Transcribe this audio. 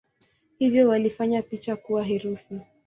Hivyo walifanya picha kuwa herufi.